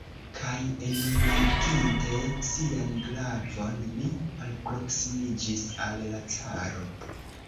Kaj eningiginte sian glavon, li alproksimiĝis al la caro.